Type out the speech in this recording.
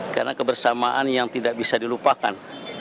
karena kebersamaan yang tidak bisa dilupakan